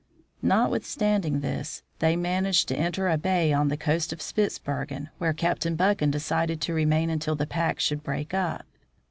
Notwithstanding this, they managed to enter a bay on the coast of Spitzbergen, where Captain Buchan decided to remain until the pack should break up.